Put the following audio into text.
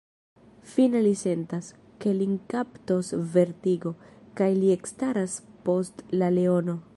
Fine li sentas, ke lin kaptos vertigo, kaj li ekstaras post la leono.